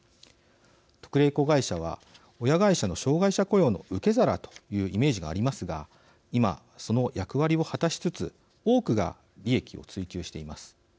特例子会社は親会社の障害者雇用の受け皿というイメージがありますが今その役割を果たしつつ多くが利益を追求しています。